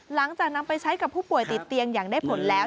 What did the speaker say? หลังจากนำไปใช้กับผู้ป่วยติดเตียงอย่างได้ผลแล้ว